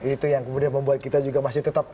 itu yang kemudian membuat kita juga masih tetap